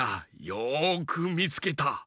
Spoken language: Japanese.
よくみつけた。